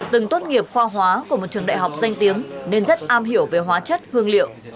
từng tốt nghiệp khoa hóa của một trường đại học danh tiếng nên rất am hiểu về hóa chất hương liệu